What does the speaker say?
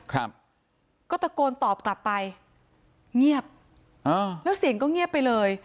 ครับก็ตะโกนตอบกลับไปเงียบอ่าแล้วเสียงก็เงียบไปเลย